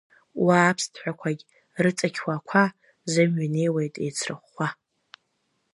Уа аԥсҭҳәақәагь рыҵақьуа ақәа, Зымҩа инеиуеит еицрыхәхәа.